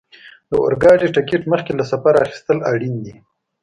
د اورګاډي ټکټ مخکې له سفره اخیستل اړین دي.